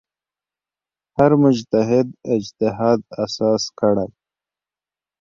هر مجتهد اجتهاد اساس کړی.